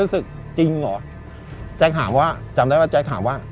จริงเหรอแจ๊คถามว่าจำได้ป่ะแจ๊คถามว่า